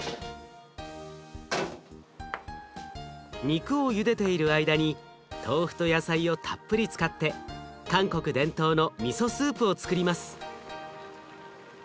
肉をゆでている間に豆腐と野菜をたっぷり使って韓国伝統のみそスープをつくります。